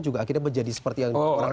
juga akhirnya menjadi seperti yang orang